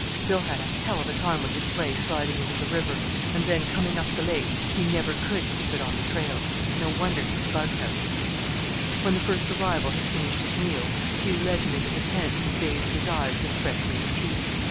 Bill had a hell of a time with his sleigh sliding into the river; and then, coming up the lake, he never could keep it on the trail. No wonder he's bughouse!" Crazy. When the first arrival had finished his meal Hugh led him into the tent and bathed his eyes with fresh made tea.